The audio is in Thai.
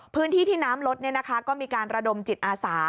พื้นที่ที่น้ำลดก็มีการระดมจิตอาสา